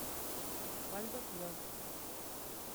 Waldo Quiroz